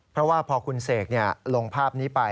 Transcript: เพราะว่าพอคุณเสกลงภาพนี้ไป